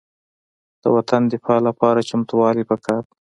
د وطن دفاع لپاره چمتووالی پکار دی.